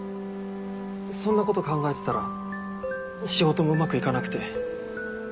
そんなこと考えてたら仕事もうまくいかなくて。